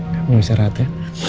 kamu bisa rahat ya